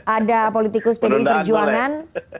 ada politikus pdi perjuangan